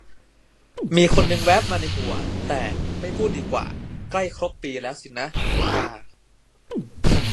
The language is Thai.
มีคนนึงแว๊บมาในหัว แต่ ไม่พูดดีกว่า ใกล้ครบปีแล้วสินะ อา